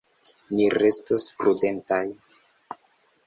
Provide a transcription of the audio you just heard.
Ni restos prudentaj.